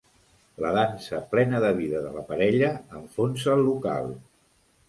La dansa plena de vida de la parella enfonsa el local.